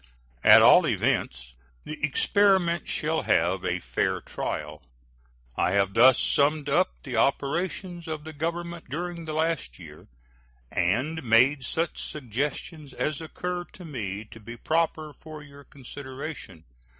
At all events, the experiment shall have a fair trial. I have thus hastily summed up the operations of the Government during the last year, and made such suggestions as occur to me to be proper for your consideration.